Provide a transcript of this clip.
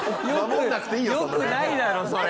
よくないだろそれ。